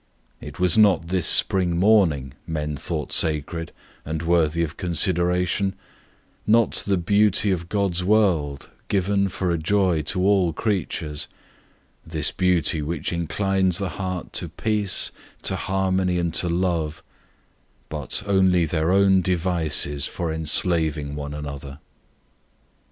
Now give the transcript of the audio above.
It was not this spring morning men thought sacred and worthy of consideration not the beauty of God's world, given for a joy to all creatures, this beauty which inclines the heart to peace, to harmony, and to love, but only their own devices for enslaving one another.